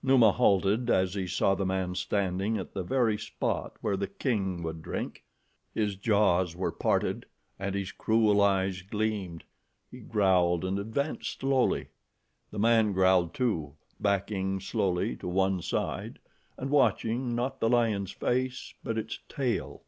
Numa halted as he saw the man standing at the very spot where the king would drink. His jaws were parted, and his cruel eyes gleamed. He growled and advanced slowly. The man growled, too, backing slowly to one side, and watching, not the lion's face, but its tail.